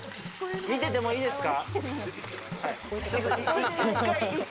見ててもいいですか？